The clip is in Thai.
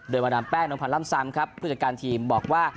โดยมาดามแป้งน้องพันธ์ล่ำซ้ำครับผู้จัดการทีมบอกว่า